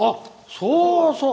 そうそう！